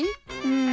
うん。